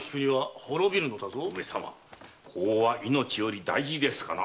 上様法は命より大事ですかな？